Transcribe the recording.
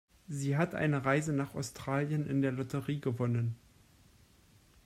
Sie hat eine Reise nach Australien in der Lotterie gewonnen.